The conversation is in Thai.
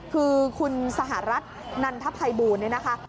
คือคุณสหรัฐนันทภัยบูลเนี่ยนะคะ